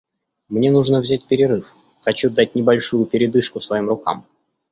Мне нужно взять перерыв, хочу дать небольшую передышку своим рукам.